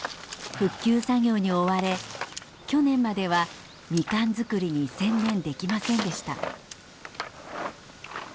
復旧作業に追われ去年まではみかん作りに専念できませんでした。